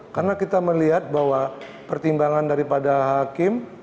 karena kita melihat bahwa pertimbangan daripada hakim